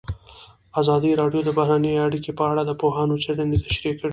ازادي راډیو د بهرنۍ اړیکې په اړه د پوهانو څېړنې تشریح کړې.